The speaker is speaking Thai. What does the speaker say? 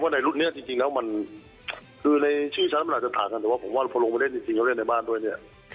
ในรุ่นนี้จริงแล้วมันคือในชื่อแชมป์มันอาจจะต่างกันแต่ว่าผมว่าพอลงไปเล่นจริงแล้วเล่นในบ้านด้วยเนี่ย